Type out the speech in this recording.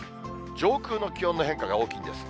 上空の気温の変化が大きいです。